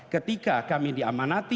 ketika kami diamanati